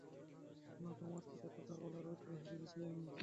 শোনো, তোমার সাথে কথা বলার রুচি হারিয়েছি আমি।